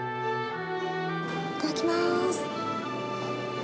いただきます。